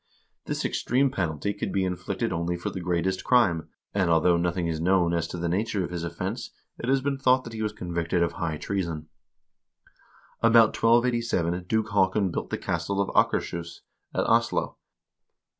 This extreme penalty could be inflicted only for the greatest crime, and although nothing is known as to the nature of his offense, it has been thought that he was convicted of high treason. About 1287 Duke Haakon built the castle of Akershus, at Oslo.